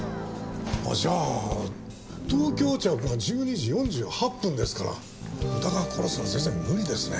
じゃあ東京着が１２時４８分ですから宇田川殺すの全然無理ですね。